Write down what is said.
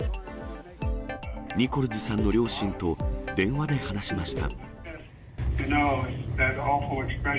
ニコルズさんの両親と電話で話しました。